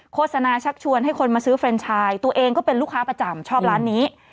โฆษณาชักชวนให้คนมาซื้อเฟรนชายตัวเองก็เป็นลูกค้าประจำชอบร้านนี้